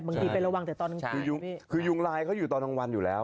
บางทีไประวังแต่ตอนกลางคืนคือยุงคือยุงลายเขาอยู่ตอนกลางวันอยู่แล้ว